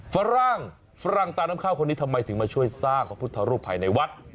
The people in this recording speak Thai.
ฝรั่งฝรั่งตาน้ำข้าวคนนี้ทำไมถึงมาช่วยสร้างพระพุทธรูปภายในวัด